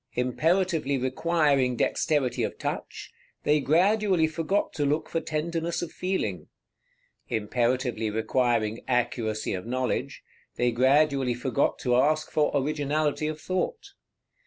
Imperatively requiring dexterity of touch, they gradually forgot to look for tenderness of feeling; imperatively requiring accuracy of knowledge, they gradually forgot to ask for originality of thought.